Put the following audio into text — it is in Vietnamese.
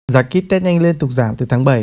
giá kit test nhanh liên tục giảm từ tháng bảy